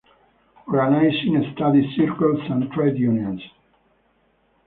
Organising study circles and Trade Unions.